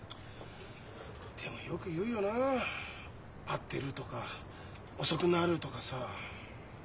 でもよく言うよな「会ってる」とか「遅くなる」とかさ。